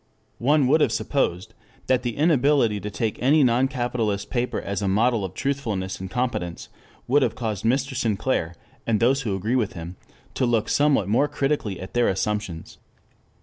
One would have supposed that the inability to take any non capitalist paper as a model of truthfulness and competence would have caused Mr. Sinclair, and those who agree with him, to look somewhat more critically at their assumptions.